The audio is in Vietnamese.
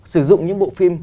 sử dụng những bộ phim